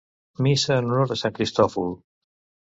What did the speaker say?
Missa en honor a sant Cristòfol.